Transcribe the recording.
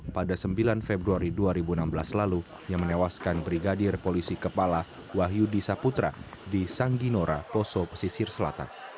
pada sembilan februari dua ribu enam belas lalu yang menewaskan brigadir polisi kepala wahyudi saputra di sangginora poso pesisir selatan